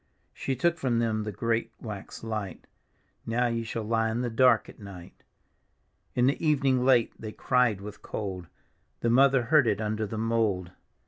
She took from them the great wax light, " Now ye shall lie in the dark at nig^t." In the evning late they cried with cold, The mother heard it under the mould.